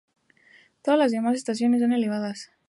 Todas las demás estaciones son elevadas.